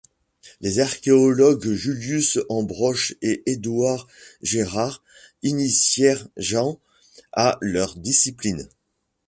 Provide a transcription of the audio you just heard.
Les archéologues Julius Ambrosch et Eduard Gerhard initièrent Jahn à leur discipline.